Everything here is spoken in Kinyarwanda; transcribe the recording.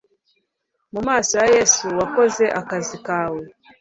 mu maso ya yesu wakoze akazi kawe